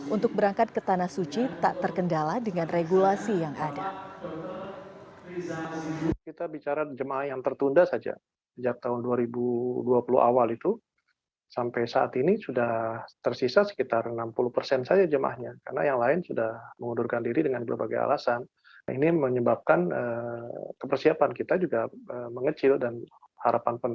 untuk berangkat ke tanah suci tak terkendala dengan regulasi yang ada